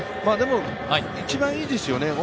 でも一番いいですよね。